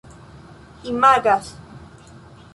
imagas